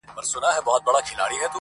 دا کيسه د ټولنې ژور نقد دی او فکر اړوي،